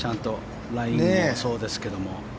ライン読みもそうですけど。